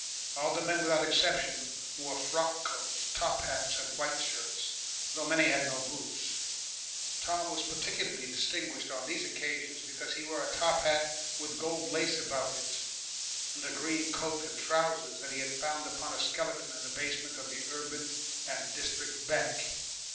All the men without exception wore frock coats, top hats, and white shirts, though many had no boots. Tom was particularly distinguished on these occasions because he wore a top hat with gold lace about it and a green coat and trousers that he had found upon a skeleton in the basement of the Urban and District Bank.